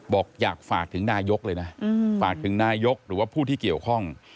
บอกอยากฝากถึงนายกเลยนะฝากถึงนายกหรือว่าผู้ที่เกี่ยวข้อง